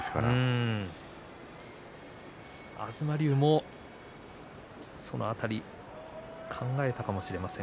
東龍もその辺り考えたかもしれません。